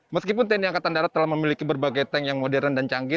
meskipun tni angkatan darat telah memiliki berbagai tank yang modern dan canggih